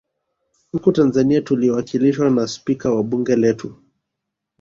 Huku Tanzania tuliwakilishwa na spika wa bunge letu